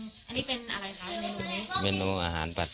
อันนี้เป็นอะไรคะเมนูนี้